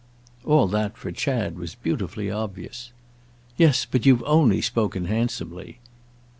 All that, for Chad, was beautifully obvious. "Yes, but you've only spoken handsomely."